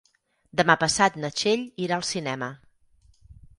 Demà passat na Txell irà al cinema.